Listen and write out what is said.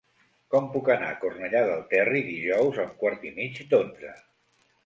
Com puc anar a Cornellà del Terri dijous a un quart i mig d'onze?